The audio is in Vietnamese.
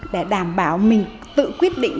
để đảm bảo mình tự quyết định